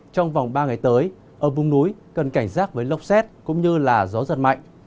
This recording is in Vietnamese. trong vòng ba ngày tới ở vùng núi cần cảnh giác với lốc xét cũng như gió giật mạnh